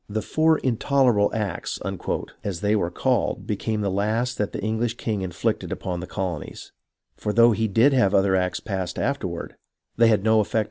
The Four Intolerable Acts," as they were called, became the last that the Eng lish king inflicted upon the colonies ; for though he did have other acts passed afterward, they had no effect upon numjiiUP ' C S.